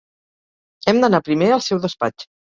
Hem d'anar primer al seu despatx.